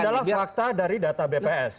ini adalah fakta dari data bps